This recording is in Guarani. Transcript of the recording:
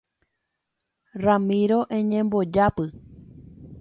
Ramíro eñembojápy